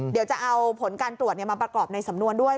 เดี๋ยวจะเอาผลการตรวจมาประกอบในสำนวนด้วย